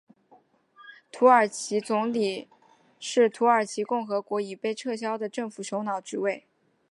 土耳其总理是土耳其共和国已被撤销的政府首脑职位。